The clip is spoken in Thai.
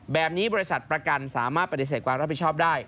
บริษัทประกันสามารถปฏิเสธความรับผิดชอบได้